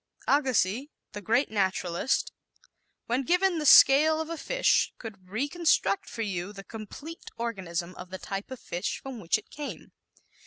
Agassiz, the great naturalist, when given the scale of a fish could reconstruct for you the complete organism of the type of fish from which it came.